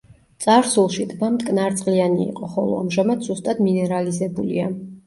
წარსულში ტბა მტკნარწყლიანი იყო, ხოლო ამჟამად სუსტად მინერალიზებულია.